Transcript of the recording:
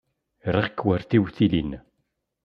Riɣ-k war tiwtilin.